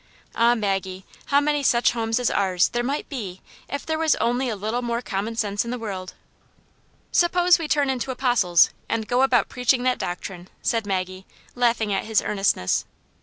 '* Ah, Maggie, how many such homes as ours there might be if there was only a little more com mon sense in the world." ''Suppose we turn into apostles and go about 224 Auni Janets Hero. preaching that doctrine," said Maggie, laughing at his earnestness.